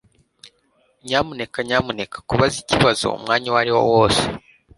Nyamuneka nyamuneka kubaza ikibazo umwanya uwariwo wose.